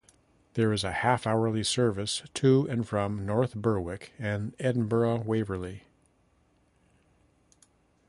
There is a half-hourly service to and from North Berwick and Edinburgh Waverley.